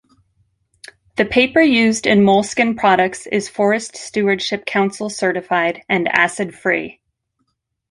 The paper used in Moleskine products is Forest Stewardship Council certified and acid-free.